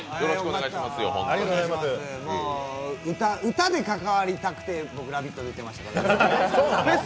歌で関わりたくて僕、「ラヴィット！」出てましたから。